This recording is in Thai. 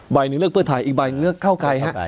หนึ่งเลือกเพื่อไทยอีกใบหนึ่งเลือกเข้าใครฮะ